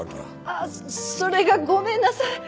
あっそれがごめんなさい。